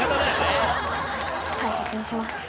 大切にします。